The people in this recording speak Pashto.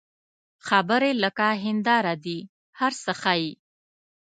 خبرې لکه هنداره دي، هر څه ښيي